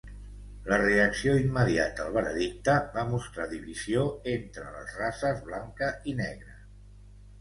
La reacció immediata al veredicte va mostrar divisió entre les races blanca i negra.